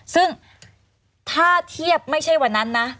ซึ่งถ้าเทียบไม่ใช่วันนั้นนะ